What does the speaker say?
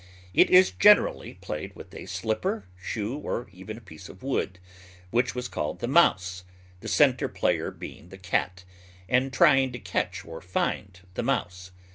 It is generally played with a slipper, shoe, or even a piece of wood, which was called the mouse, the centre player being the cat, and trying to catch or find the mouse.